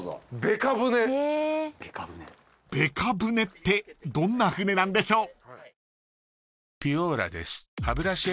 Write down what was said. ［ベカ舟ってどんな舟なんでしょう］